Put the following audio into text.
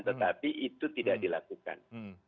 tetapi itu tidak dilakukan